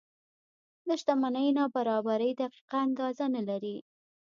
د شتمنۍ نابرابرۍ دقیقه اندازه نه لري.